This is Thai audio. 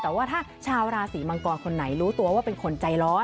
แต่ว่าถ้าชาวราศีมังกรคนไหนรู้ตัวว่าเป็นคนใจร้อน